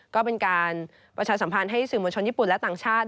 ก็เป็นการประชาสัมพันธ์ให้สื่อมวลชนญี่ปุ่นและต่างชาติ